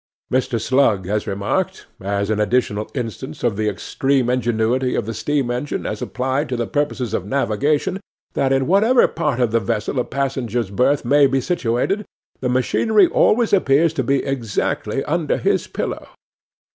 'Mr. Slug has remarked, as an additional instance of the extreme ingenuity of the steam engine as applied to purposes of navigation, that in whatever part of the vessel a passenger's berth may be situated, the machinery always appears to be exactly under his pillow.